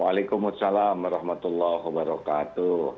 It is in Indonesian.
waalaikumsalam warahmatullahi wabarakatuh